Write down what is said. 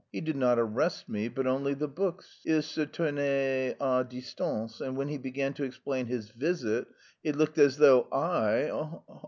_ He did not arrest me, but only the books. Il se tenait à distance, and when he began to explain his visit he looked as though I...